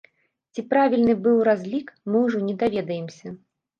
Ці правільны быў разлік, мы ўжо не даведаемся.